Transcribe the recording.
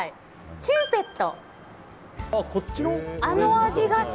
チューペット。